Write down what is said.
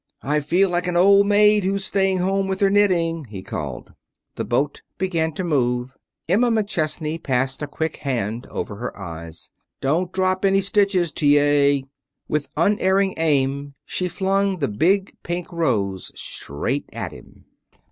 "I feel like an old maid who's staying home with her knitting," he called. The boat began to move. Emma McChesney passed a quick hand over her eyes. "Don't drop any stitches, T. A." With unerring aim she flung the big pink rose straight at him.